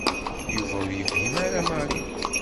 Yuba ur yefhim ara Mary.